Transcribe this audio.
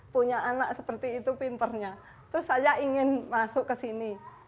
punya anak seperti itu pinpernya terus saya ingin masuk ke sini